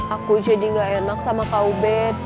aku jadi gak enak sama kak ubed